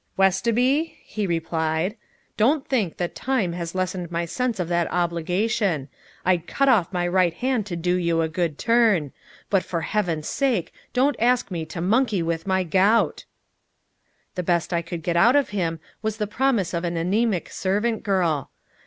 "Westoby," he replied, "don't think that time has lessened my sense of that obligation. I'd cut off my right hand to do you a good turn. But for heaven's sake, don't ask me to monkey with my gout!" The best I could get out of him was the promise of an anemic servant girl.